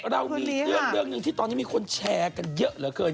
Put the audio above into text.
เรามีเรื่องหนึ่งที่ตอนนี้มีคนแชร์กันเยอะเหลือเกิน